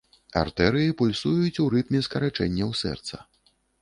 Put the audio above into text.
Артэрыі пульсуюць ў рытме скарачэнняў сэрца.